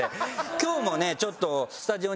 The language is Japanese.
今日もねちょっと。